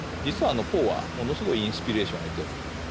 実はポーはものすごいインスピレーションを得てる。